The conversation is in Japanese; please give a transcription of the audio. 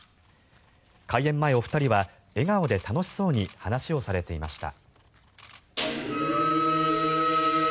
開演前、お二人は笑顔で楽しそうに話をされていました。